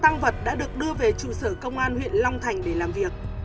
tăng vật đã được đưa về trụ sở công an huyện long thành để làm việc